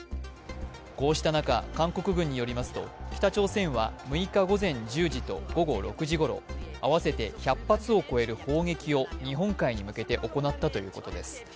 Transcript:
こうした中、韓国軍によりますと北朝鮮は６日午前１０時と午後６時ごろ合わせて１００発を超える砲撃を日本海に向けて行ったということです。